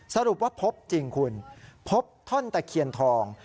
สรุปว่าพบจริงคุณพบท่อนตะเคียนทอง